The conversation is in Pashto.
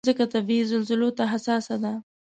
مځکه طبعي زلزلو ته حساسه ده.